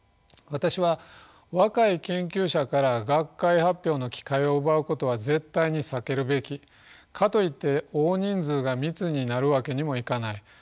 私は若い研究者から学会発表の機会を奪うことは絶対に避けるべきかといって大人数が密になるわけにもいかない。